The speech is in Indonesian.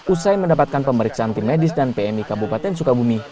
usai mendapatkan pemeriksaan tim medis dan pmi kabupaten sukabumi